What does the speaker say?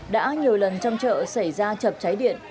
đã nhiều lần trong chợ xảy ra chập cháy điện